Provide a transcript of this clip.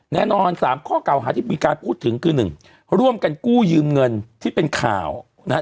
แน่นอน๓ข้อเก่าหาที่มีการพูดถึงคือ๑ร่วมกันกู้ยืมเงินที่เป็นข่าวนะฮะ